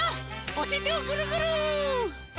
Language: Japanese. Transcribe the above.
おててをぐるぐる！